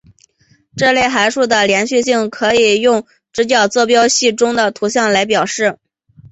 这类函数的连续性可以用直角坐标系中的图像来表示。